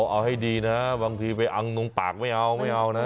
เอาให้ดีนะบางทีไปอังตรงปากไม่เอาไม่เอานะ